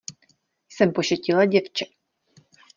Jsem pošetilé děvče.